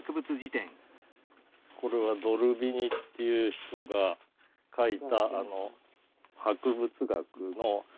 これはドルビニっていう人が書いた博物学の本でですね